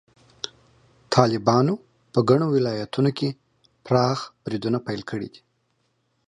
طالبانو په ګڼو ولایتونو کې پراخ بریدونه پیل کړي دي.